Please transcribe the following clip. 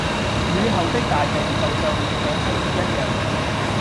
雨後的大地就像換上新衣一樣